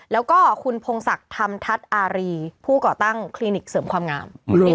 แล้วก็คุณพงศักดิ์ธรรมทัศน์อารีผู้ก่อตั้งคลินิกเสริมความงาม